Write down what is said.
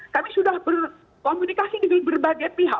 kami sudah berkomunikasi dengan berbagai pihak